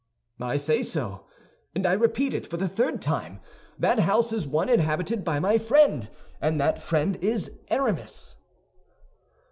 "I say so, and I repeat it for the third time; that house is one inhabited by my friend, and that friend is Aramis."